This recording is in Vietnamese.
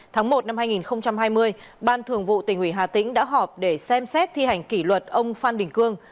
tháng một năm hai nghìn hai mươi ban thường vụ tỉnh ủy hà tĩnh đã họp để xem xét thi hành kỷ luật ông phan đình cương